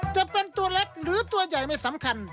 จะเป็นตัวเล็กหรือตัวใหญ่ไม่สำคัญ